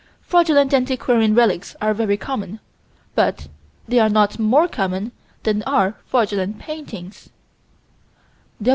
Fraudulent antiquarian relics are very common, but they are not more common than are fraudulent paintings.